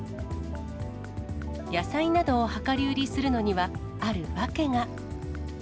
野菜などを量り売りするのには、ある訳が。